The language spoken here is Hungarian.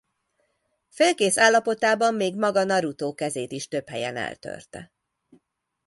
Félkész állapotában még maga Naruto kezét is több helyen eltörte.